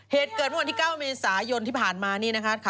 เหตุเกิดเมื่อวันที่๙เมษายนที่ผ่านมานี่นะคะ